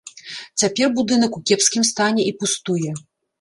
Цяпер будынак у кепскім стане і пустуе.